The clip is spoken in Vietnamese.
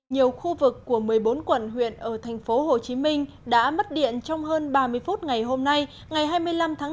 nhiều khu vực của một mươi bốn quận huyện ở tp hcm đã mất điện trong hơn ba mươi phút ngày hôm nay ngày hai mươi năm tháng bốn